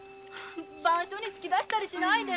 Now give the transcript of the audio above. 番所へ突き出したりしないで。